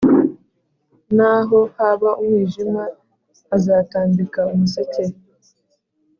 naho haba umwijima hazatambika umuseke